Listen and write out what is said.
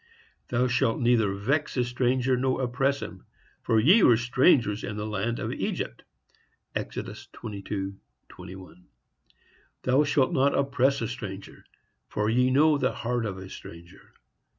Thou shalt neither vex a stranger nor oppress him; for ye were strangers in the land of Egypt.—Exodus 22:21. Thou shalt not oppress a stranger, for ye know the heart of a stranger.